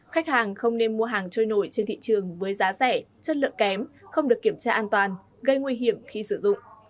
khách hàng không nên mua hàng trôi nổi trên thị trường với giá rẻ chất lượng kém không được kiểm tra an toàn gây nguy hiểm khi sử dụng